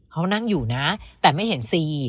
เขานั่งอยู่นะแต่ไม่เห็นซี